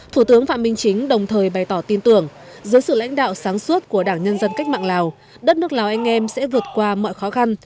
thủ tướng phạm minh chính đồng thời bày tỏ tin tưởng dưới sự lãnh đạo sáng suốt của đảng nhân dân cách mạng lào đất nước lào anh em sẽ vượt qua mọi khó khăn